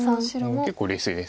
結構冷静です。